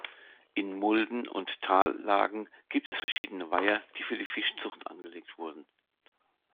In Mulden- und Tallagen gibt es verschiedene Weiher, die für die Fischzucht angelegt wurden.